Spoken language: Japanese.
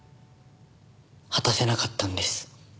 果たせなかったんです。